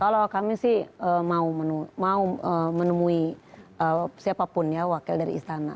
kalau kami sih mau menemui siapapun ya wakil dari istana